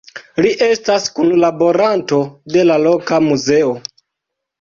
Li estas kunlaboranto de la loka muzeo.